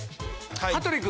羽鳥君。